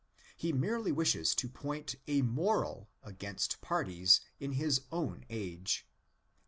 He merely wishes to point a moral against parties in his own age.